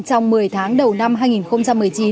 trong một mươi tháng đầu năm hai nghìn một mươi chín